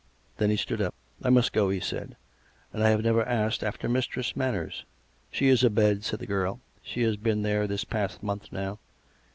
Then he stood up. " I must go," he said. " And I have never asked after Mistress Manners." ." She is abed," said the girl. " She has been there this past month now."